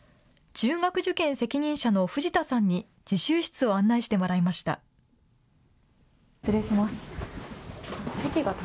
中学受験責任者の藤田さんに自習室を案内してもらいました。